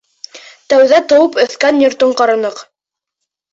Тәүҙә тыуып үҫкән йортон ҡараныҡ.